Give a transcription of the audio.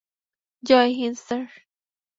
Joy Hind, sir.